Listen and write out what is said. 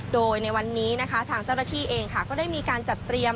โดยในวันนี้นะคะทางเจ้าหน้าที่เองค่ะก็ได้มีการจัดเตรียม